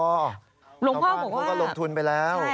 เหลือพาไปแล้ว